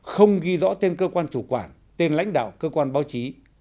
không ghi rõ tên cơ quan chủ quản tên lãnh đạo cơ quan báo chí